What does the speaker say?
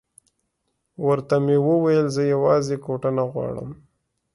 ورته مې وویل زه یوازې کوټه نه غواړم.